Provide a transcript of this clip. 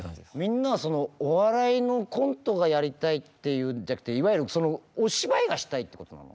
みんなはお笑いのコントがやりたいっていうんじゃなくていわゆるお芝居がしたいってことなの？